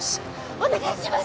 お願いします！